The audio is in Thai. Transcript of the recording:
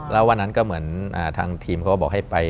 แล้ววันนั้นก็เหมือนทางทีมเขาก็บอกให้ไป